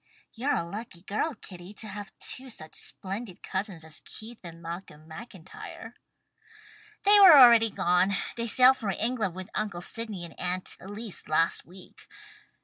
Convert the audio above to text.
"You're a lucky girl, Kitty, to have two such splendid cousins as Keith and Malcolm MacIntyre." "They are already gone. They sailed for England with Uncle Sydney and Aunt Elise last week.